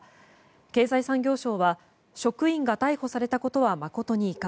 経済産業省は職員が逮捕されたことは誠に遺憾。